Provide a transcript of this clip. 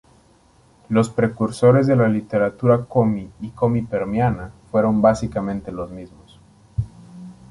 Los precursores de la literatura komi y komi-permiana fueron básicamente los mismos.